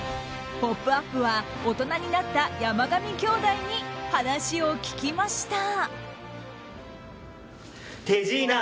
「ポップＵＰ！」は大人になった山上兄弟に話を聞きました。